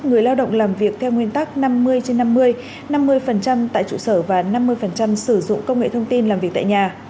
người lao động làm việc theo nguyên tắc năm mươi trên năm mươi năm mươi tại trụ sở và năm mươi sử dụng công nghệ thông tin làm việc tại nhà